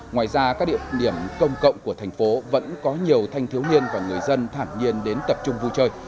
ngoài ra các địa điểm công cộng của thành phố vẫn có nhiều thanh thiếu niên và người dân thản nhiên đến tập trung vui chơi